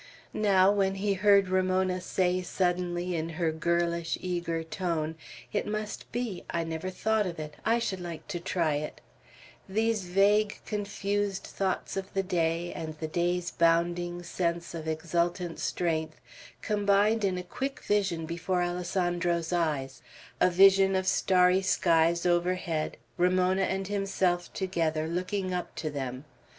Now, when he heard Ramona say suddenly in her girlish, eager tone, "It must be; I never thought of it; I should like to try it," these vague confused thoughts of the day, and the day's bounding sense of exultant strength, combined in a quick vision before Alessandro's eyes, a vision of starry skies overhead, Ramona and himself together, looking up to them.